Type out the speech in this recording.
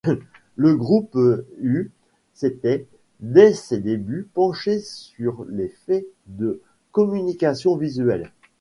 Le Groupe µ s'était, dès ses débuts, penché sur les faits de communication visuelle.